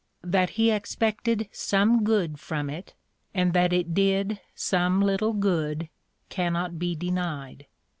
That he expected some good from it, and that it did some little good, cannot be denied.